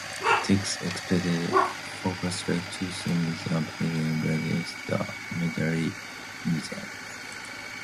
This expanded focus led to the museum being renamed The Military Museums.